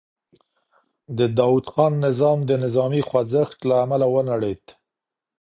د داوود خان نظام د نظامي خوځښت له امله ونړېد.